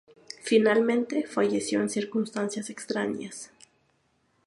Finalmente, falleció en circunstancias extrañas.